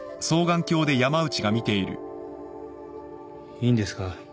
いいんですか？